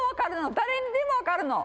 誰にでも分かるの。